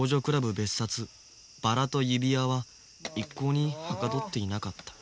別冊「バラと指輪」は一向にはかどっていなかった